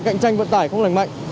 cạnh tranh vận tải không lành mạnh